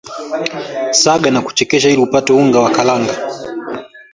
saga na kuchekecha ili upate unga wa karanga